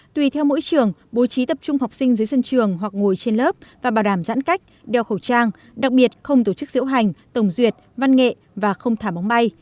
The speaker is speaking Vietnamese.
tùy theo mỗi trường bố trí tập trung học sinh dưới sân trường hoặc ngồi trên lớp và bảo đảm giãn cách đeo khẩu trang đặc biệt không tổ chức diễu hành tổng duyệt văn nghệ và không thả bóng bay